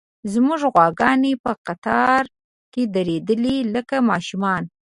زموږ غواګانې په قطار کې درېدلې، لکه ماشومان.